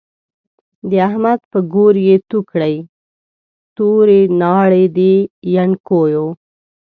د احمد په ګور يې تو کړی، توری ناړی د يڼکيو